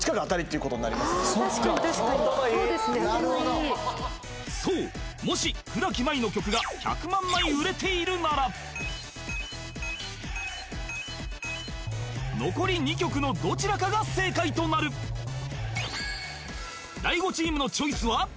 あ確かに確かにそうですね頭いいそうもし倉木麻衣の曲が１００万枚売れているなら残り２曲のどちらかが正解となる大悟チームのチョイスは？